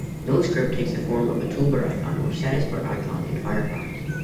NoScript takes the form of a toolbar icon or status bar icon in Firefox.